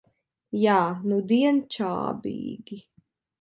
Jā, nudien čābīgi.